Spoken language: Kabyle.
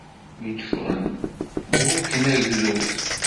Mi d-ffɣen, burken agdud.